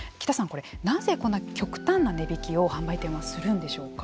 これなぜこんな極端な値引きを販売店はするんでしょうか。